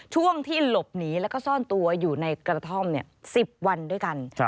ช่วงที่หลบหนีแล้วก็ซ่อนตัวอยู่ในกระท่อม๑๐วันด้วยกัน